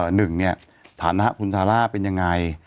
หนึ่งเนี่ยฐานะคุณซาร่าเป็นยังไง